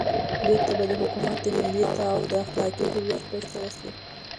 بېرته به د حکومت د ملي تعهُد اخلاقي هویت بشپړ شي.